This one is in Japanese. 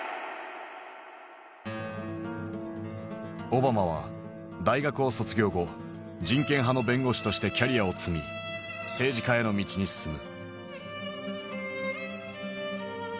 オバマは大学を卒業後人権派の弁護士としてキャリアを積み政治家への道に進む。